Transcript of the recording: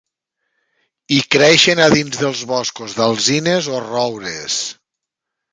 I creixen a dins dels boscos d'alzines o roures.